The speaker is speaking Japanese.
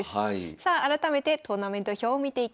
さあ改めてトーナメント表を見ていきましょう。